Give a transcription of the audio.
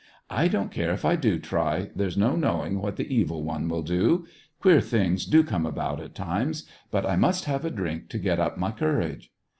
" I don't care if I do try ; there's no knowing what the Evil One will do ! queer things do come about at times. But I must have a drink, to get up my courage."